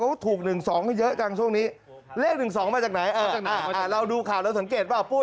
ให้ถูก๑๒เยอะจังช่วงนี้เลข๑๒มาจากไหนเอ้าเราดูข่าว